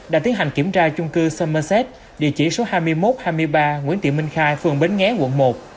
đã tiến hành kiểm tra chung cư somerset địa chỉ số hai mươi một hai mươi ba nguyễn tị minh khai phường bến nghé quận một